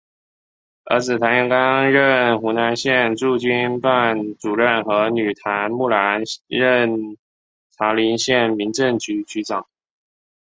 儿子谭元刚任湖南省驻京办主任和女谭木兰任茶陵县民政局局长。